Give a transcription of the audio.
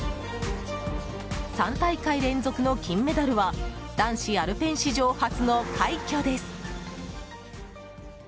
３大会連続の金メダルは男子アルペン史上初の快挙です。